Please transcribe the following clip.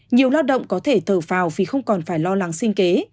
nhiều lao động có thể thở phào vì không còn phải lo lắng sinh kế